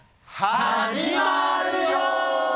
始まるよ！